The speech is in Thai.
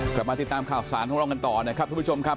กลับมาติดตามข่าวสารของเรากันต่อนะครับทุกผู้ชมครับ